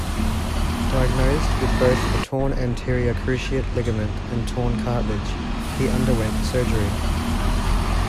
Diagnosed with both a torn anterior cruciate ligament and torn cartilage, he underwent surgery.